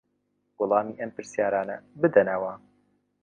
وەڵامی ئەم پرسیارانە بدەنەوە